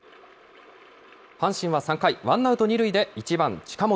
阪神は３回、ワンアウト２塁で１番近本。